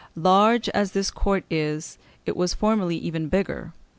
Large as this court is, it was formerly even bigger....